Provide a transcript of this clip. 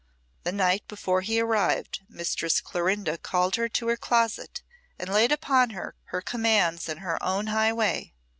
The night before he arrived, Mistress Clorinda called her to her closet and laid upon her her commands in her own high way.